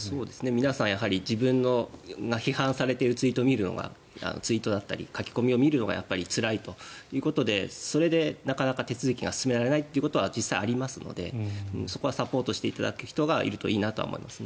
皆さん自分が批判されているツイートだったり書き込みを見るのがつらいということでそれでなかなか手続きが進められないことは実際にありますのでそこはサポートしていただく人がいるといいなと思います。